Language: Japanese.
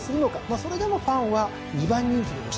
それでもファンは２番人気に推したんですね。